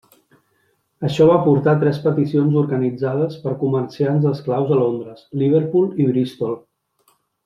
Això va portar a tres peticions organitzades per comerciants d'esclaus a Londres, Liverpool i Bristol.